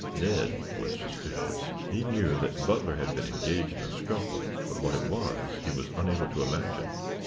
Ned was suspicious. He knew that Butler had been engaged in a scuffle, but what it was he was unable to imagine.